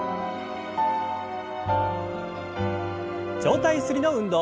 上体ゆすりの運動。